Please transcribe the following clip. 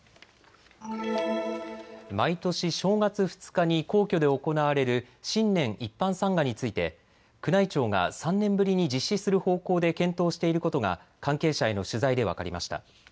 毎年、正月２日に皇居で行われる新年一般参賀について宮内庁が３年ぶりに実施する方向で検討していることが関係者への取材で分かりました。